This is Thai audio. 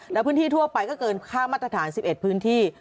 แล้วพื้นที่ทั่วไปก็เกินค่ามาตรฐาน๑๑พื้นที่